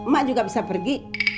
mak juga bisa pergi